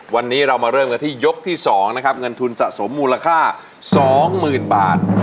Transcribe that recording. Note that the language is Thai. วันนี้เรามาเริ่มกันที่ยกที่๒นะครับเงินทุนสะสมมูลค่า๒๐๐๐บาท